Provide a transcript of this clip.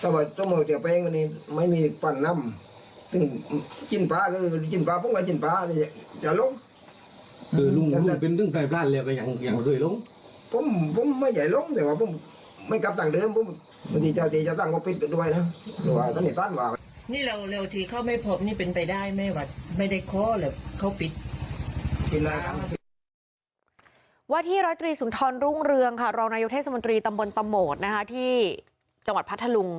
ว่าที่ร้อยตรีสุนทรรุ่งเรืองค่ะรองนายกเทศมนตรีตำบลตะโหมดนะคะที่จังหวัดพัทธลุง